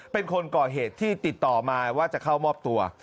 เป็นคนก่อเหตุที่ติดต่อมาว่าจะเข้ามอบตัว